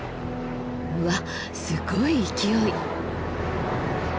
うわすごい勢い。